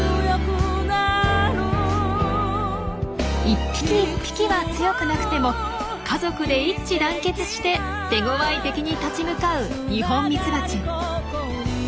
一匹一匹は強くなくても家族で一致団結して手ごわい敵に立ち向かうニホンミツバチ。